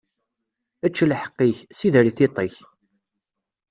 Ečč lḥeqq-ik, sider i tiṭ-ik.